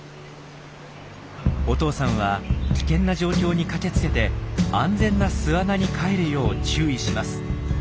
お父さんは危険な状況に駆けつけて安全な巣穴に帰るよう注意します。